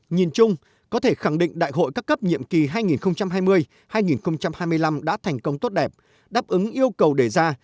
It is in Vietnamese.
nhìn chung có thể khẳng định đại hội các cấp nhiệm kỳ hai nghìn hai mươi hai nghìn hai mươi năm đã thành công tốt đẹp đáp ứng yêu cầu đề ra